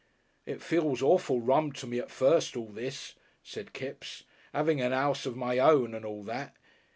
"It feels awful rum to me at first, all this," said Kipps "'Aving a 'ouse of my own and all that.